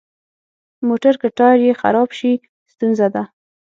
موټر که ټایر یې خراب شي، ستونزه ده.